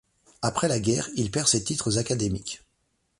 Après la guerre, il perd ses titres académiques.